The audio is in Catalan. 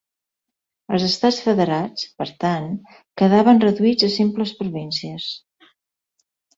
Els estats federats, per tant, quedaven reduïts a simples províncies.